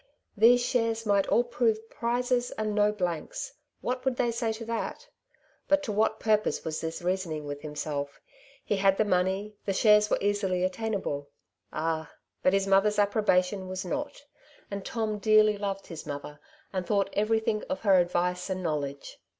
These shares might all prove prizes and no blanks ! what would they say to that ? But to what purpose was this reasoning with himself ? He had the money ; the shares were easily attainable. Ah ! but his mother's approbation was not; and Tom dearly loved his mother, and thought everything of her advice and knowledge.